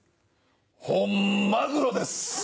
ホンマグロです！